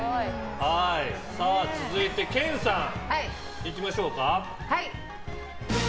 続いて、研さんいきましょうか。